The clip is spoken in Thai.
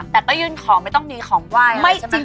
แต่ก็ยืนขอไม่ต้องนีของไหว้อะไรใช่ไหม